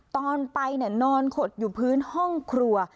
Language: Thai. ตอนไปนอนขดอยู่พื้นห้องครัว